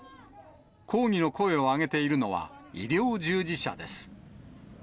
抗議の声を上げているのは、医療従事者です。